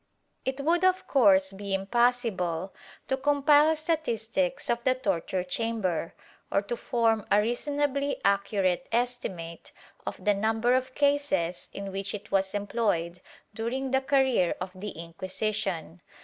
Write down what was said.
^ It would of course be impossible to compile statistics of the torture chamber, or to form a reasonably accurate estimate of the number of cases in which it was employed during the career of the Inquisition.